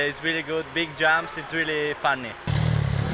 tapi sangat bagus jemput besar sangat lucu